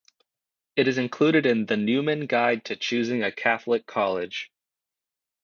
It is included in "The Newman Guide to Choosing a Catholic College".